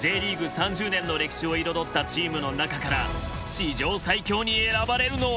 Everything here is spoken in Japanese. ３０年の歴史を彩ったチームの中から史上最強に選ばれるのは。